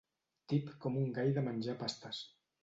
Tip com un gall de menjar pastes.